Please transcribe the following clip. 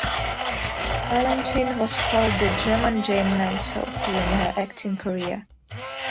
Valentin was called "the German Jayne Mansfield" during her acting career.